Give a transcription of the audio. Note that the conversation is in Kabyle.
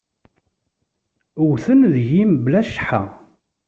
Wwten deg-i mebla cceḥḥa.